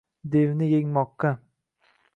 devni yengmoqqa